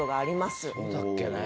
そうだっけね？